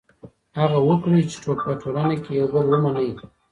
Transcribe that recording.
هڅه وکړئ چي په ټولنه کي یو بل ومنئ.